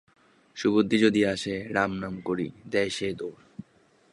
সুবুদ্ধি যদি আসে, রাম নাম করি, দেয় সে দৌড়।